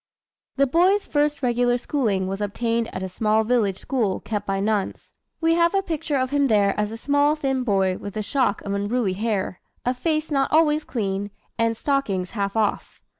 The boy's first regular schooling was obtained at a small village school kept by nuns. We have a picture of him there as a small thin boy with a shock of unruly hair, a face not always clean, and "stockings half off."